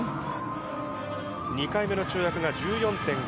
２回目の跳躍が１４．５。